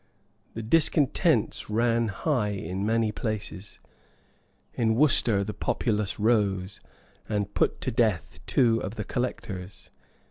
The discontents ran high in many places: in Worcester the populace rose, and put to death two of the collectors.